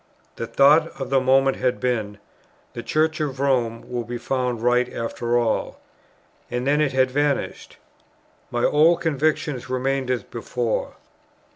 The thought for the moment had been, "The Church of Rome will be found right after all;" and then it had vanished. My old convictions remained as before.